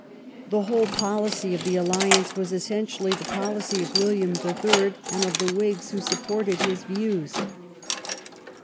The whole policy of the alliance was essentially the policy of William the Third and of the Whigs who supported his views.